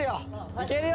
いけるよ！